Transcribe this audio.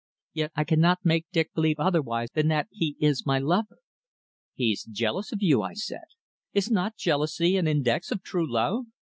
Yet I cannot make Dick believe otherwise than that he is my lover." "He's jealous of you," I said. "Is not jealousy an index of true love?"